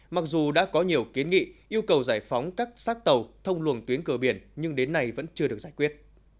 mặc dù đã có nhiều kiến nghị yêu cầu giải phóng các xác tàu thông luồng tuyến cửa biển nhưng đến nay vẫn chưa được giải quyết